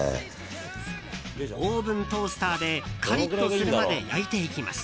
オーブントースターでカリッとするまで焼いていきます。